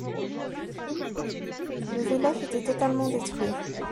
Le village était totalement détruit.